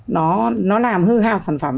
nó làm hư hào sản phẩm